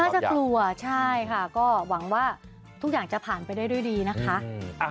จะกลัวใช่ค่ะก็หวังว่าทุกอย่างจะผ่านไปได้ด้วยดีนะคะ